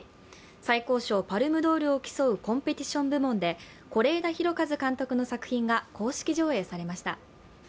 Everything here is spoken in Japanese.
最高賞パルムドールを競うコンペティション部門で是枝裕和監督の作品が公式上映されました。